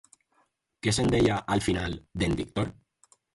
Què se'n deia, al final, d'en Víctor?